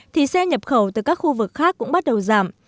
thì xe nhập khẩu từ các khu vực khác cũng bắt đầu giảm